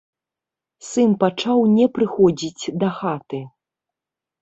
Сын пачаў не прыходзіць дахаты.